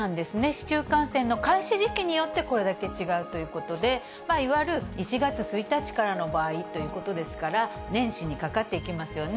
市中感染の開始時期によって、これだけ違うということで、いわゆる１月１日からの場合ということですから、年始にかかっていきますよね。